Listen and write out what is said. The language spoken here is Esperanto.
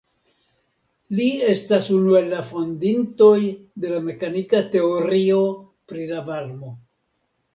Li estas unu el la fondintoj de la mekanika teorio pri la varmo.